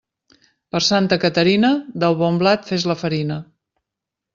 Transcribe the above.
Per Santa Caterina, del bon blat fes la farina.